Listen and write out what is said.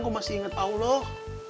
gue masih inget allah